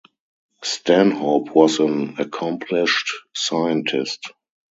Stanhope was an accomplished scientist.